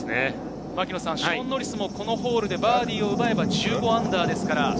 ショーン・ノリスもこのホールでバーディーを奪えば、−１５ですから。